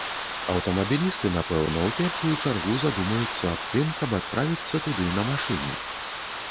Аўтамабілісты, напэўна, у першую чаргу задумаюцца аб тым, каб адправіцца туды на машыне.